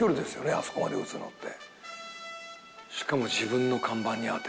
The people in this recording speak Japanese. あそこまで打つのって。